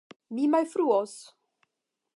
mi malfruos!